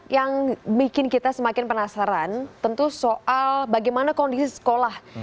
yang bikin kita semakin penasaran tentu soal bagaimana kondisi sekolah